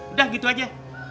udah gitu aja